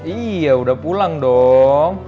iya udah pulang dong